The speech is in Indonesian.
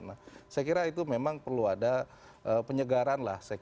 nah saya kira itu memang perlu ada penyegaran lah